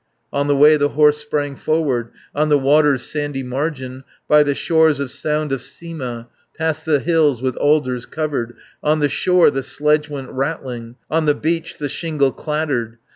On the way the horse sprang forward, On the water's sandy margin, By the shores of Sound of Sima, Past the hills with alders covered. On the shore the sledge went rattling, On the beach the shingle clattered.